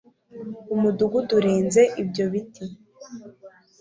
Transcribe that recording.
Umudugudu urenze ibyo biti